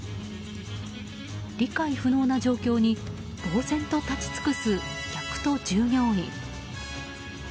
理解不能な状況に呆然と立ち尽くす客と従業員。